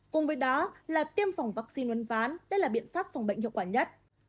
cùng với đó là tiêm phòng vaccine uốn ván đây là biện pháp phòng bệnh hiệu quả nhất